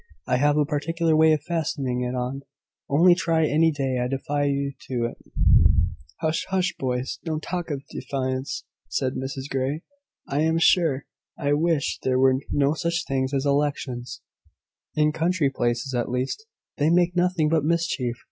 I have a particular way of fastening it on. Only try, any day. I defy you to it." "Hush, hush, boys! don't talk of defiance," said Mrs Grey. "I am sure, I wish there were no such things as elections in country places, at least. They make nothing but mischief.